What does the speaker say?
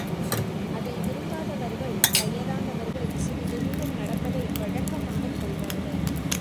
அதை விரும்பாதவர்கள், வயதானவர்கள் சிறிது தூரம் நடப்பதை வழக்கமாகக் கொள்வார்கள்.